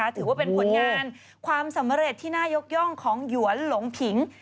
ถือว่าเป็นผลงานความสำเร็จที่น่ายกย่องของหยวนหลงขิง